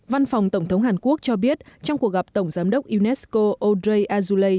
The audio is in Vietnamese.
văn phòng tổng thống hàn quốc cho biết trong cuộc gặp tổng giám đốc unesco audrey azoulay